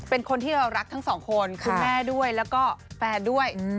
เป็นคนที่เรารักทั้งสองคนคุณแม่ด้วยแล้วก็แฟนด้วย